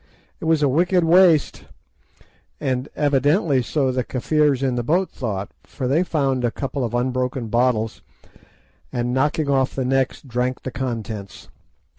It was a wicked waste, and evidently so the Kafirs in the boat thought, for they found a couple of unbroken bottles, and knocking off the necks drank the contents.